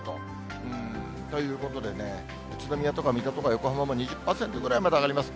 うーん、ということでね、宇都宮とか水戸とか横浜も２０％ぐらいまで上がります。